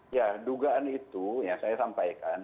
ya dugaan itu yang saya sampaikan